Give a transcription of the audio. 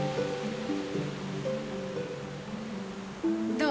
どう？